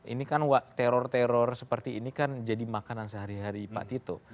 ini kan teror teror seperti ini kan jadi makanan sehari hari pak tito